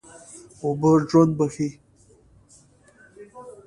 اوبه ژوند بښي.